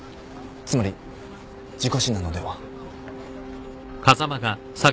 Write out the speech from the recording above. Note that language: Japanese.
つまり事故死なのでは。